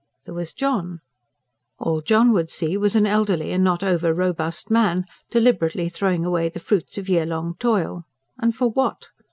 There was John. All John would see was an elderly and not over robust man deliberately throwing away the fruits of year long toil and for what?